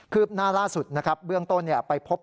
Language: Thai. ืบหน้าล่าสุดนะครับเบื้องต้นไปพบ